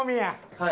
はい。